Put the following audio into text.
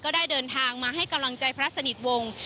ได้เดินทางมาให้กำลังใจพระสนิทวงศ์